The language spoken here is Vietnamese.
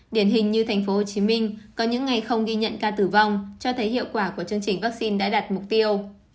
điển hình như tp hcm có những ngày không ghi nhận ca tử vong cho thấy hiệu quả của chương trình vaccine đã đạt mục tiêu